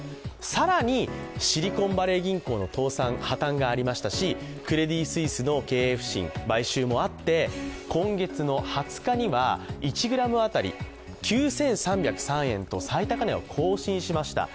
さらにシリコンバレー銀行の破綻がありましたしクレディ・スイスの経営不振、買収もあって今月の２０日には１ｇ当たり９３０３円と最高値を更新しました。